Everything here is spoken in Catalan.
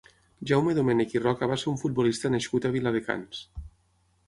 Jaume Domènech i Roca va ser un futbolista nascut a Viladecans.